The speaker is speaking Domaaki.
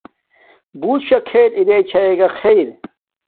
بݸُت شݳ کھݵل اِرݵ چھݳئَکݳ خݵر.